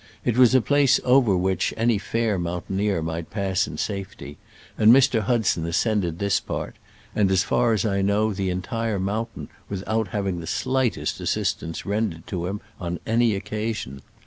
It was a place over which any fair moun taineer might pass in safety, and Mr. Hudson ascended this part, and, as far as I know, the entire mountain, without having the shghtest assistance rendered to him upon any occasion.